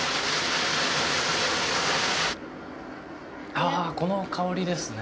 ああこの香りですね。